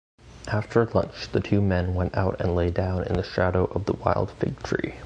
After lunch the two men went out and lay down in the shadow of the wild fig tree.